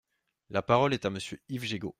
La parole est à Monsieur Yves Jégo.